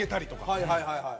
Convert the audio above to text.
蛍原：はいはい、はいはい。